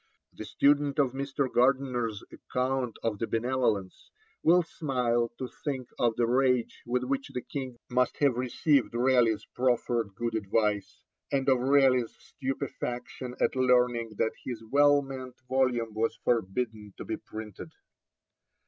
The student of Mr. Gardiner's account of the Benevolence will smile to think of the rage with which the King must have received Raleigh's proffered good advice, and of Raleigh's stupefaction at learning that his well meant volume was forbidden to be printed.